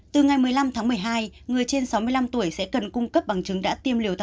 từ ngày một mươi năm tháng một mươi hai người trên sáu mươi năm tuổi sẽ cần cung cấp bằng chứng đã tiêm liều thuốc